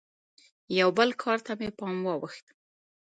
یوه بل کار ته مې پام واوښت.